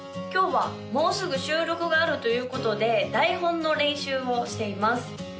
今日はもうすぐ収録があるということで台本の練習をしています